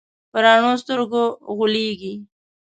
په رڼو سترګو غولېږي.